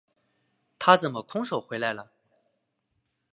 他怎么空手回来了？